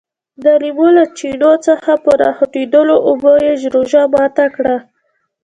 د لیمو له چینو څخه په راخوټېدلو اوبو یې روژه ماته کړه.